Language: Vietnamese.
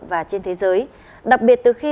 và trên thế giới đặc biệt từ khi